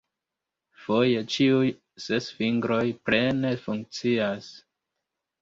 Foje ĉiuj ses fingroj plene funkcias.